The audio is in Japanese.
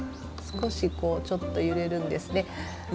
少しこうちょっと揺れるんですね。